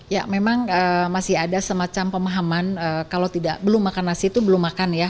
ya memang masih ada semacam pemahaman kalau belum makan nasi itu belum makan ya